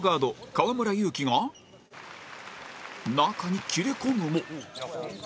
河村勇輝が中に切れ込むも